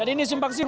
jadi ini simpang sih